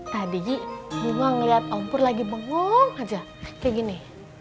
tadi bunga ngeliat om pur lagi bengong aja kayak gini